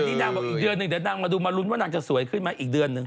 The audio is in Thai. นี่นางบอกอีกเดือนหนึ่งเดี๋ยวนางมาดูมาลุ้นว่านางจะสวยขึ้นไหมอีกเดือนหนึ่ง